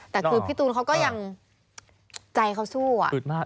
แต่คือพี่ตูนเขาก็ยังใจเขาสู้อ่ะอึดมาก